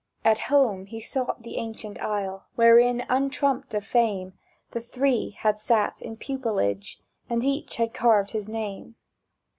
At home he sought the ancient aisle Wherein, untrumped of fame, The three had sat in pupilage, And each had carved his name.